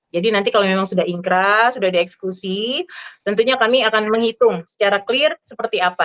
jadi nanti kalau memang sudah ingkrah sudah dieksekusi tentunya kami akan menghitung secara clear seperti apa